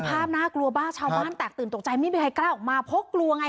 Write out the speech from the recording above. น่ากลัวมากชาวบ้านแตกตื่นตกใจไม่มีใครกล้าออกมาเพราะกลัวไง